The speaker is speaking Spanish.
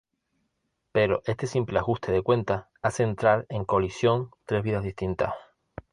Pero este simple ajuste de cuentas hace entrar en colisión tres vidas distintas.